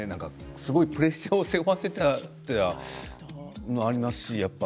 すごいプレッシャーを背負わせたというのもありますし。